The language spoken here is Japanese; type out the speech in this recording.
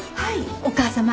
お母様。